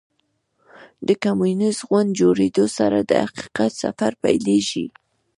د کمونیسټ ګوند جوړېدو سره د حقیقت سفر پیلېږي.